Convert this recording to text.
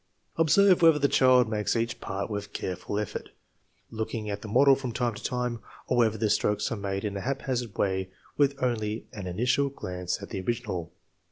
Observe whether the child makes each part with careful effort, looking at the model from time to time, or whether the strokes are made in a haphazard way with only an in itial glance at the original.